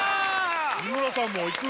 日村さんもいく？